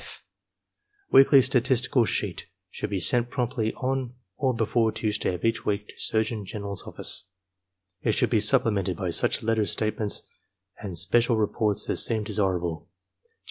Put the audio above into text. (/) Weekly statistical sheet should be sent promptly on or before Tuesday of each week to Surgeon General's Office. It should be supplemented by such letter statements and special reports as seem desirable.